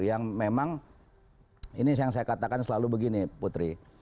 yang memang ini yang saya katakan selalu begini putri